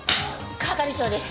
係長です。